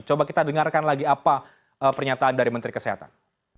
coba kita dengarkan lagi apa pernyataan dari menteri kesehatan